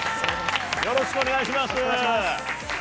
よろしくお願いします。